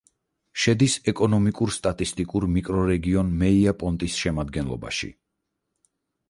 შედის ეკონომიკურ-სტატისტიკურ მიკრორეგიონ მეია-პონტის შემადგენლობაში.